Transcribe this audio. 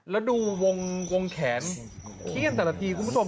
แล้วดูวงแขนเขี้ยนแต่ละทีคุณผู้ชม